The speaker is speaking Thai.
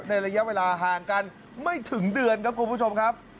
ในระยะเวลาห่างกันไม่ถึงเดือนนะครับคุณผู้ชม๓๔๒๐๐๑๐๐๑